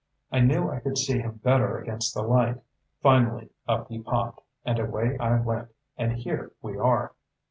I knew I could see him better against the light. Finally up he popped, and away I went, and here we are."